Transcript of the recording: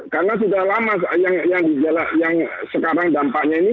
karena sudah lama yang sekarang dampaknya ini